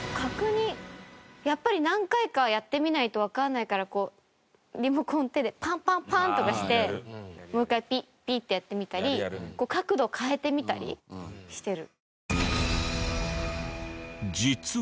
やっぱり何回かはやってみないとわからないからこうリモコンを手でパンパンパン！とかしてもう一回ピッピッてやってみたり角度を変えてみたりしてる。